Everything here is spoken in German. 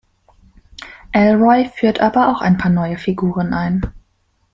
Ellroy führt aber auch ein paar neue Figuren ein.